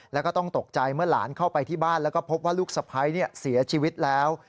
แล้วก็ต้องตกใจเมื่อหลานเข้าไปที่บ้านแล้วก็พบว่าลูกสะพ้ายเสียชีวิตแล้ว